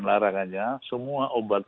larangannya semua obat